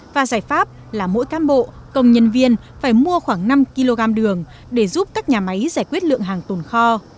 và giải pháp là mỗi cám bộ công nhân viên phải mua khoảng năm kg đường để giúp các nhà máy giải quyết lượng hàng tồn kho